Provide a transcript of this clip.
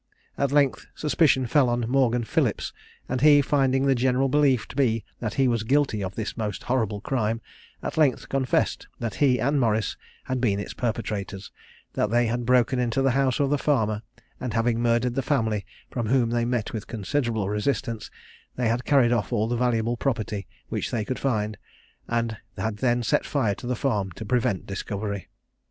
At length suspicion fell on Morgan Philips, and he, finding the general belief to be that he was guilty of this most horrible crime, at length confessed that he and Morris had been its perpetrators; that they had broken into the house of the farmer, and having murdered the family, from whom they met with considerable resistance, they had carried off all the valuable property which they could find, and had then set fire to the farm to prevent discovery.